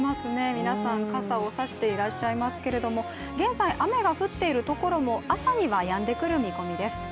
皆さん傘を差していらっしゃいますけれども、現在、雨が降っているところも朝にはやんでくる見込みです。